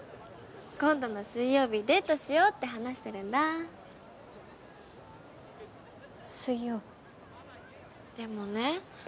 今度の水曜日デートしようって話してるんだ水曜でもね